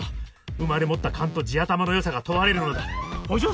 生まれ持った勘と地頭のよさが問われるのだ。